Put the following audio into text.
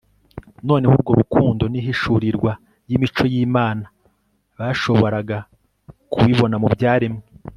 noneho urwo rukundo n'ihishurirwa y'imico y'imana bashaboraga kubibona mu byaremwe